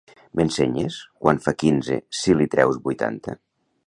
M'ensenyes quant fa quinze si li treus vuitanta?